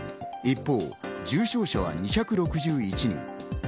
一方、重症者は２６１人。